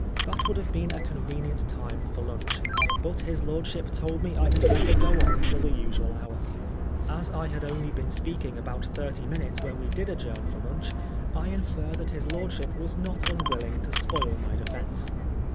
That would have been a convenient time for lunch, but his lordship told me I had better go on till the usual hour. As I had only been speaking about thirty minutes when we did adjourn for lunch, I infer that his lordship was not unwilling to spoil my defence.